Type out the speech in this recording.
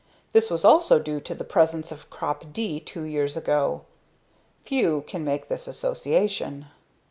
This was also due to the presence of crop "D" two years ago. Few can make this association.